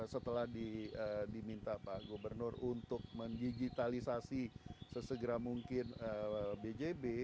setelah diminta pak gubernur untuk mendigitalisasi sesegera mungkin bjb